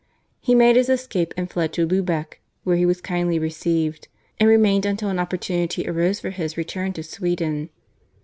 He made his escape and fled to Lubeck, where he was kindly received, and remained until an opportunity arose for his return to Sweden.